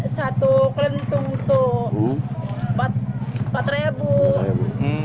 satu kelentung itu rp empat